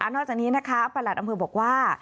นอกจากนี้นะคะประหลัดอำเภอบอกว่า